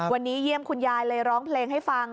วันนี้เยี่ยมคุณยายเลยร้องเพลงให้ฟัง